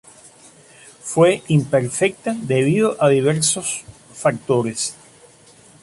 Fue imperfecta debido a diversos factores.